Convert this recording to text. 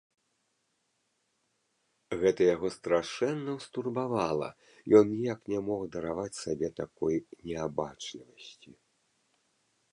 Гэта яго страшэнна ўстурбавала, ён ніяк не мог дараваць сабе такой неабачлівасці.